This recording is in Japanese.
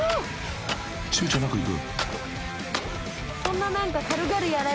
［ちゅうちょなくいく］